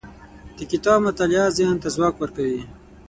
د کتاب مطالعه ذهن ته ځواک ورکوي.